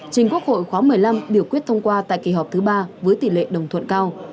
trình quốc hội khóa một mươi năm biểu quyết thông qua tại kỳ họp thứ ba với tỷ lệ đồng thuận cao